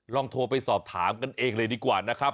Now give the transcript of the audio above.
ลองโทรไปสอบถามกันเองเลยดีกว่านะครับ